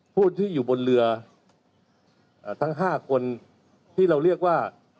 ผู้ที่อยู่บนเรือทั้ง๕คนที่เราเรียกว่า